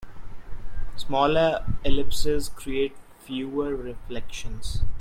Smaller ellipses create fewer reflections.